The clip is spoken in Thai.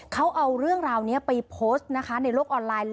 เขาเอาเรื่องราวนี้ไปโพสต์นะคะในโลกออนไลน์